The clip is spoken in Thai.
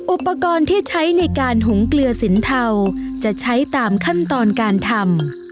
อุปกรณ์ที่ใช้ในการหุงเกลือสินเทาจะใช้ตามขั้นตอนการทำ